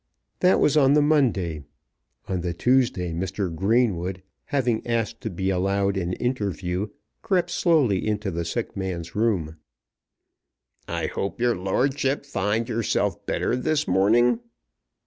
That was on the Monday. On the Tuesday Mr. Greenwood, having asked to be allowed an interview, crept slowly into the sick man's room. "I hope your lordship find yourself better this morning?"